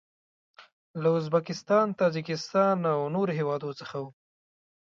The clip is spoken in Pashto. له ازبکستان، تاجکستان او نورو هیوادو څخه و.